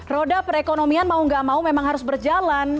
roda perekonomian mau gak mau memang harus berjalan